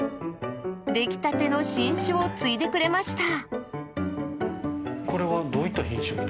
出来たての新酒をついでくれました。